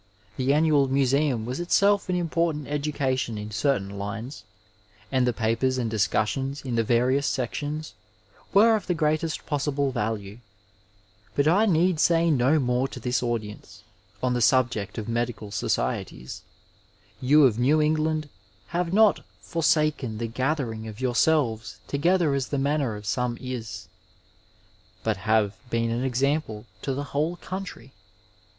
The Annual Museum was itself an important education in certain lines, and the papers and discussions in the various sections were of the greatest possible value, But I need say no more to this audience on the subject of medical societies ; you of New England have not " for saken the gathering of yourselves together as the manner of some is," but have been an example to the whole country.